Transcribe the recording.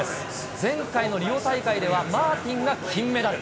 前回のリオ大会ではマーティンが金メダル。